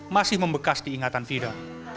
masih membekas diingatan fida